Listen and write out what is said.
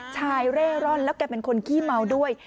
ชายเร่ร่อนแล้วแกเป็นคนขี้เมาด้วย